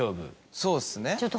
そうですね。